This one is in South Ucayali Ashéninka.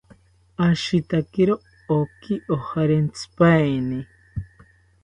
Rashitakiro roki ojarentsipaeni